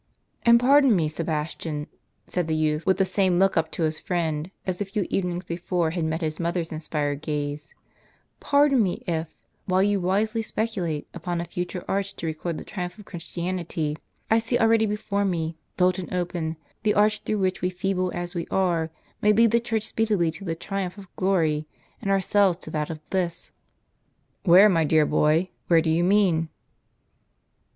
" And pardon me, Sebastian," said the youth, with the same look up to his friend, as a few evenings before had met his mother's inspired gaze, " pardon me if, while you wisely speculate upon a future arch to record the triumph of Chris tianity, I see already before me, built and open, the arch through which we, feeble as we are, may lead the Church speedily to the triumph of glory, and ourselves to that of bliss." " Where, my dear boy, where do you mean